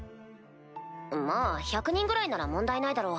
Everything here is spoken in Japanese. まぁ１００人ぐらいなら問題ないだろう。